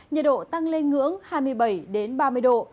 nhiệt độ tăng lên ngưỡng hai mươi bảy ba mươi độ